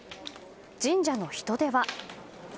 神社の人出は。